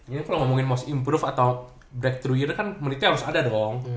jadi kalo ngomongin must improve atau breakthrough year kan menitnya harus ada dong